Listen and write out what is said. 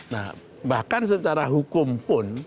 nah bahkan secara hukum pun